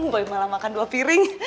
boy malah makan dua piring